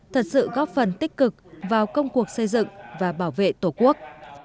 thật sự góp phần tích cực vào công cuộc xây dựng và bảo vệ tổ quốc